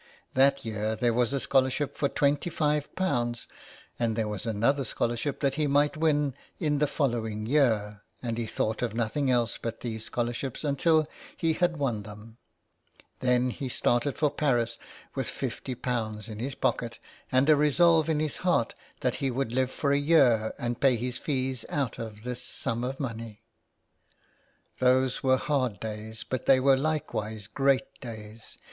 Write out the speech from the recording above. That year there was a scholarship for twenty five pounds, and there was another scholarship that he might win in the following year, and he thought of nothing else but these scholarships until he had won them; then he started for Paris with fifty pounds in his pocket, and a resolve in his heart that he would live for a year and pay his fees out of this sum of money. Those were hard days, but they were likewise great days.